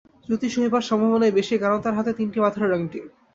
জ্যোতিষী হবার সম্ভাবনাই বেশি, কারণ তার হাতে তিনটি পাথরের আঙটি।